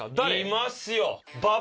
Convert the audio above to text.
いますよ！